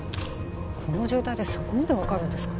この状態でそこまで分かるんですか？